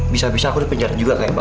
bisa bisa aku dipenjarin juga kayak bapak